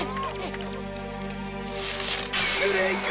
ブレイク！